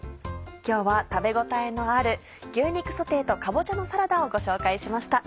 今日は食べ応えのある「牛肉ソテーとかぼちゃのサラダ」をご紹介しました。